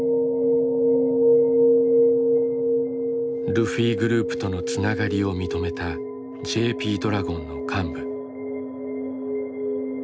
ルフィグループとのつながりを認めたＪＰドラゴンの幹部。